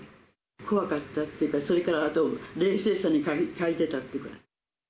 怖かったっていうか、それからあと冷静さに欠いてたっていうか。